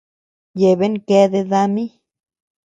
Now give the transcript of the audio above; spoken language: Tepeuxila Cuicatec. Yeabea keade dami.